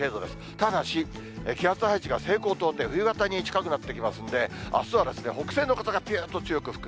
ただし、気圧配置が西高東低、冬型に近くなってきますんで、あすは北西の風がぴゅーっと強く吹く。